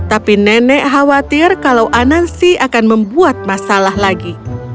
tapi nenek khawatir kalau anansi akan membuat masalah lagi